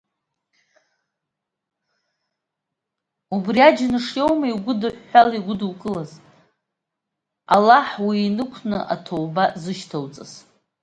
Убри аџьныш иоума иугәыдыҳәҳәала игәыдукылаз, Аллаҳ уинықәны аҭоуба ззышьҭоуҵаз?